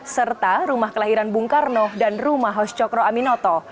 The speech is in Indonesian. serta rumah kelahiran bung karno dan rumah hos cokro aminoto